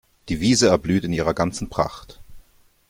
Die Wiese erblüht in ihrer ganzen Pracht.